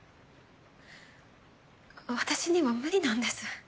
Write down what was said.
私には無理なんです